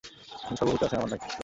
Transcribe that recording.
তিনি সর্বভূতে আছেন আবার নাই।